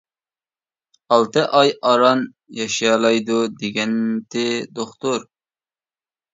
ئالتە ئاي ئاران ياشىيالايدۇ دېگەنتى دوختۇر.